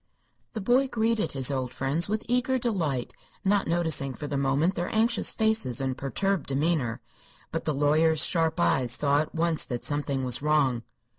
The boy greeted his old friends with eager delight, not noticing for the moment their anxious faces and perturbed demeanor. But the lawyer's sharp eyes saw at once that something was wrong.